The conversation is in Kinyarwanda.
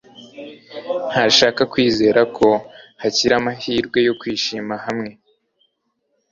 Ndashaka kwizera ko hakiri amahirwe yo kwishima hamwe